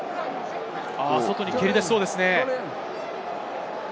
外に蹴り出しそうですね。